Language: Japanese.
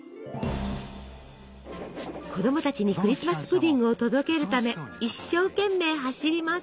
子供たちにクリスマス・プディングを届けるため一生懸命走ります。